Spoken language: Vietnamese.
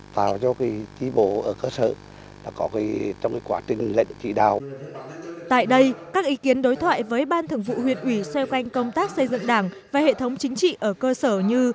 tại đây các ý kiến đối thoại với ban thường vụ huyện ủy xoay quanh công tác xây dựng đảng và hệ thống chính trị ở cơ sở như